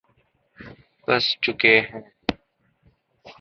پس چکے ہیں